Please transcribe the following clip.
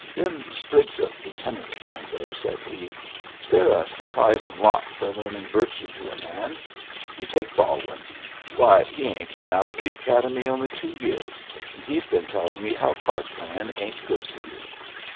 "Them sprigs of lieutenants down there," said he, "they're a surprising lot for learning virtue to a man. You take Balwin. Why, he ain't been out of the Academy only two years, and he's been telling me how card playing ain't good for you.